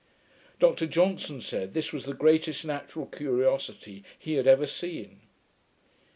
Dr Johnson said, this was the greatest natural curiosity he had ever seen.